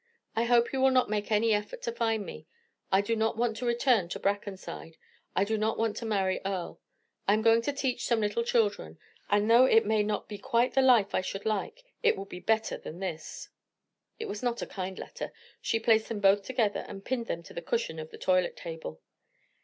I hope you will not make any effort to find me; I do not want to return to Brackenside I do not want to marry Earle. I am going to teach some little children; and though it may not be quite the life I should like, it will be better than this." It was not a kind letter. She placed them both together and pinned them to the cushion of the toilet table.